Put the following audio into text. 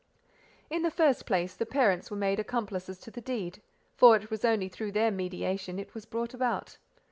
In the first place, the parents were made accomplices to the deed, for it was only through their mediation it was brought about.